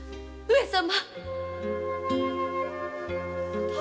上様。